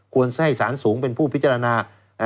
ควรให้สารสูงเป็นผู้พิจารณา